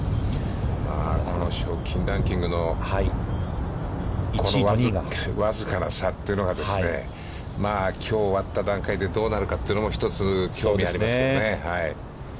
この賞金ランキングのこの僅かな差というのがですね、きょう終わった段階でどうなるかというのも、ひとつ興味がありますけどね。